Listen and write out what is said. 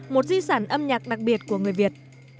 một di sản âm nhạc đặc biệt của người việt